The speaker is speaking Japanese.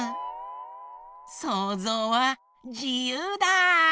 そうぞうはじゆうだ。